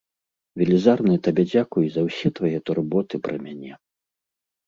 Велізарны табе дзякуй за ўсе твае турботы пра мяне.